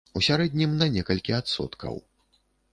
У сярэднім, на некалькі адсоткаў.